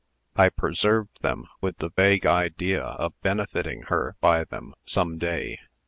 I preserved them, with the vague idea of benefiting her by them, some day.